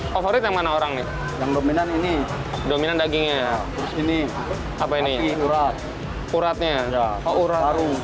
favorit yang mana orang yang dominan ini dominan dagingnya ini apa ini urat uratnya